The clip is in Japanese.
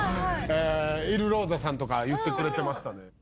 イルローザさんとか言ってくれてましたね。